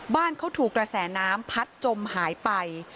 บ้านเขาถูกกระแสน้ำพัดจมหายไป